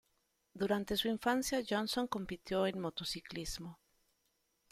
Durante su infancia, Johnson compitió en motociclismo.